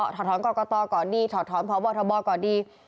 ถอดถอนกรกตก่อนดีถอดถอนพบทบก่อนดี